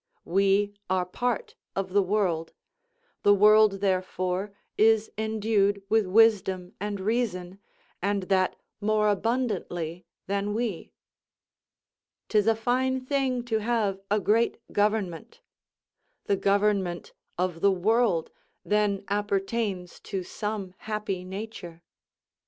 We are part of the world, the world therefore is endued with wisdom and reason, and that more abundantly than we. 'Tis a fine thing to have a great government; the government of the world then appertains to some happy nature.